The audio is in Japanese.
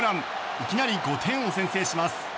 いきなり５点を先制します。